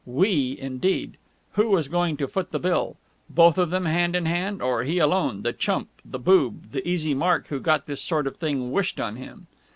"We" indeed! Who was going to foot the bill? Both of them, hand in hand, or he alone, the chump, the boob, the easy mark who got this sort of thing wished on him!